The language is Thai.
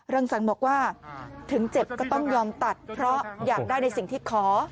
สังบอกว่าถึงเจ็บก็ต้องยอมตัดเพราะอยากได้ในสิ่งที่ขอ